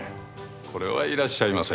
これはいらっしゃいませ。